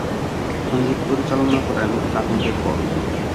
সঙ্গীত পরিচালনা করেন রাহুল দেব বর্মণ।